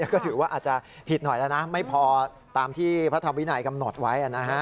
ก็ถือว่าอาจจะผิดหน่อยแล้วนะไม่พอตามที่พระธรรมวินัยกำหนดไว้